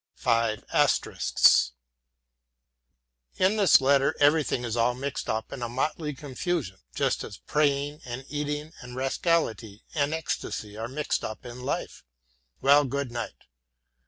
In this letter everything is all mixed up in a motley confusion, just as praying and eating and rascality and ecstasy are mixed up in life. Well, good night.